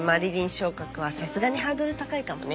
昇格はさすがにハードル高いかもね。